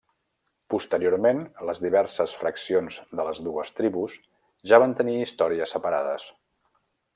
Posteriorment les diverses fraccions de les dues tribus ja van tenir històries separades.